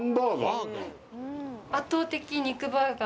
圧倒的肉バーガー？